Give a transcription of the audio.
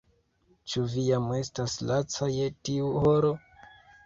Ĉu vi jam estas laca je tiu horo?